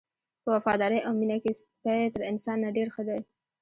په وفادارۍ او مینه کې سپی تر انسان نه ډېر ښه دی.